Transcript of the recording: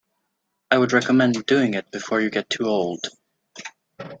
I would recommend doing it before you get too old.